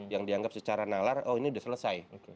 yang dianggap secara nalar oh ini sudah selesai